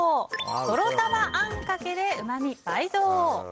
とろたまあんかけでうまみ倍増！